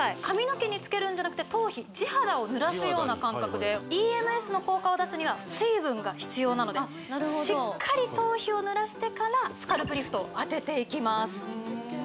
髪の毛につけるんじゃなくて頭皮地肌をぬらすような感覚でＥＭＳの効果を出すには水分が必要なのでしっかり頭皮をぬらしてからスカルプリフト当てていきます